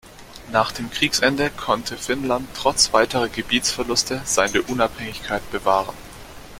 Nach dem Kriegsende konnte Finnland trotz weiterer Gebietsverluste seine Unabhängigkeit bewahren.